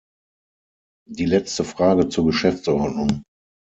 Die letzte Frage zur Geschäftsordnung.